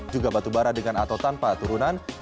juga batubara dengan atau tanpa turunan